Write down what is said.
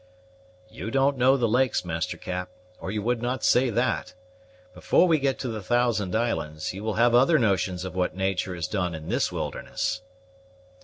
"You don't know the lakes, Master Cap, or you would not say that. Before we get to the Thousand Islands, you will have other notions of what natur' has done in this wilderness."